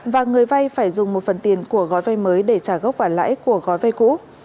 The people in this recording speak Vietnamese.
và người vay phải dùng một phần tiền của gói vay mới để trả gốc và lãi của gói vay cũ